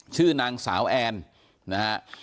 ชื่อนางสาวแอนนะฮะ